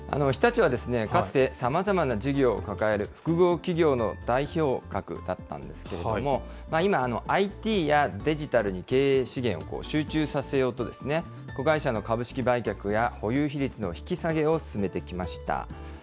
日立はかつて、さまざまな事業を抱える複合企業の代表格だったんですけれども、今、ＩＴやデジタルに経営資源を集中させようと、子会社の株式売却や保有比率の引き下げを進めてきました。